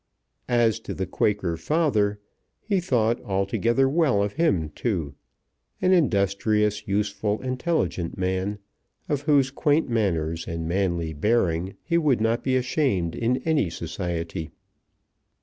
As to the Quaker father, he thought altogether well of him too, an industrious, useful, intelligent man, of whose quaint manners and manly bearing he would not be ashamed in any society.